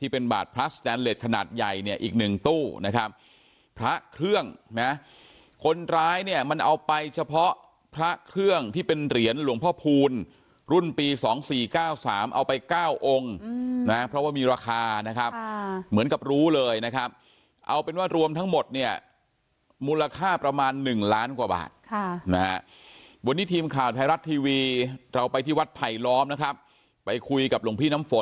เป็นบาทพระสแตนเล็ตขนาดใหญ่เนี่ยอีกหนึ่งตู้นะครับพระเครื่องนะคนร้ายเนี่ยมันเอาไปเฉพาะพระเครื่องที่เป็นเหรียญหลวงพ่อพูลรุ่นปี๒๔๙๓เอาไป๙องค์นะเพราะว่ามีราคานะครับเหมือนกับรู้เลยนะครับเอาเป็นว่ารวมทั้งหมดเนี่ยมูลค่าประมาณหนึ่งล้านกว่าบาทค่ะนะฮะวันนี้ทีมข่าวไทยรัฐทีวีเราไปที่วัดไผลล้อมนะครับไปคุยกับหลวงพี่น้ำฝน